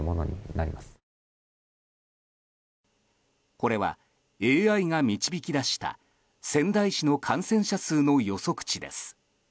これは、ＡＩが導き出した仙台市の感染者数の予測値です。